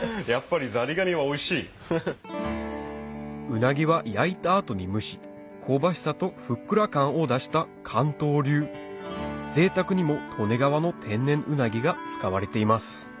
うなぎは焼いた後に蒸し香ばしさとふっくら感を出した関東流ぜいたくにも利根川の天然うなぎが使われています